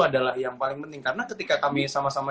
adalah yang paling penting karena ketika kami sama sama